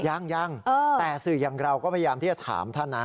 ยังยังแต่สื่ออย่างเราก็พยายามที่จะถามท่านนะ